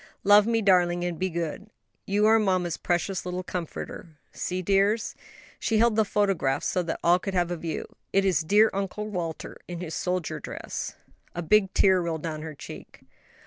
"Love me, darling, and be good; you are mamma's precious little comforter. See dears," and she held the photograph so that all could have a view, "it is dear Uncle Walter in his soldier dress." A big tear rolled down her cheek.